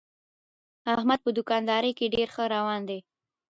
احمد په دوکاندارۍ کې ډېر ښه روان دی.